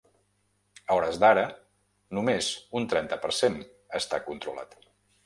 A hores d’ara, només un trenta per cent està controlat.